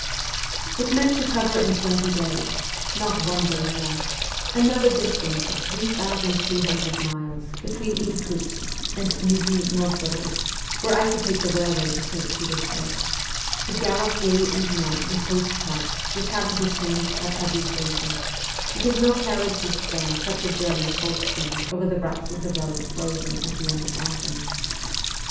' It meant to cover in twenty days not one day more another distance of 3,200 miles between Irkutsk and Nijni N6vgorod, where I could take the railway to St. Petersburg ; to gallop day and night in post carts which had to be changed at every station, because no carriage would stand such a journey full speed over the ruts of the roads frozen at the end of the autumn.